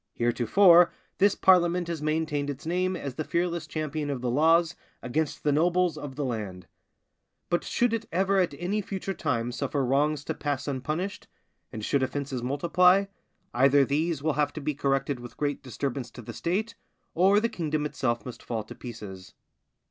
Heretofore this parliament has maintained its name as the fearless champion of the laws against the nobles of the land; but should it ever at any future time suffer wrongs to pass unpunished, and should offences multiply, either these will have to be corrected with great disturbance to the State, or the kingdom itself must fall to pieces.